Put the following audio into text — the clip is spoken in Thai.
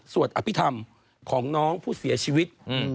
อภิษฐรรมของน้องผู้เสียชีวิต